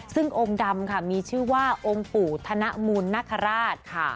ซึ่งองค์ดำค่ะมีชื่อว่าองค์ปู่ธนมูลนคราชค่ะ